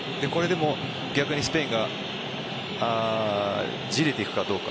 逆にスペインがじれていくかどうか。